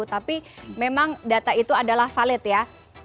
tapi memang data itu adalah valid ya